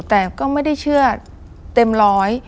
แต่ก็ไม่ได้เชื่อเต็มร้อย